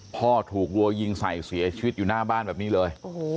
พ่อถูกรัวยิงใส่เสียชีวิตอยู่หน้าบ้านแบบนี้เลย